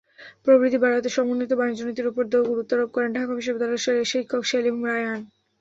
প্রবৃদ্ধি বাড়াতে সমন্বিত বাণিজ্যনীতির ওপর গুরত্বারোপ করেন ঢাকা বিশ্ববিদ্যালয়ের শিক্ষক সেলিম রায়হান।